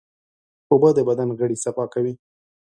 اوبه د بدن غړي صفا کوي.